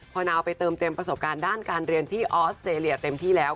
พอนาเอาไปเติมเต็มประสบการณ์ด้านการเรียนที่ออสเตรเลียเต็มที่แล้ว